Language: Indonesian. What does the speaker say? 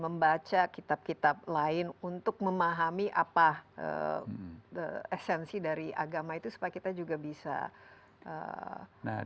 membaca kitab kitab lain untuk memahami apa esensi dari agama itu supaya kita juga bisa